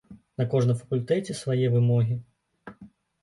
На кожным факультэце свае вымогі.